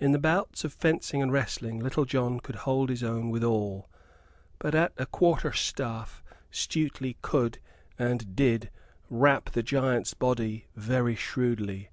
In the bouts of fencing and wrestling Little John could hold his own with all; but at quarter staff Stuteley could, and did, rap the giant's body very shrewdly.